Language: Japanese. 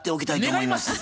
願います。